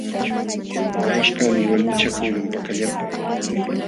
Walaśhkaqmi walmichakuqlun pakallapa.